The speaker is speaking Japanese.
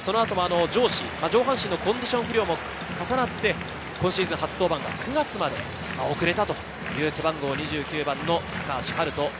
その後は上半身のコンディション不良も重なって、初登板が９月まで遅れたという背番号２９番・高橋遥人です。